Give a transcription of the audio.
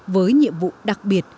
với nhiệm vụ đặc biệt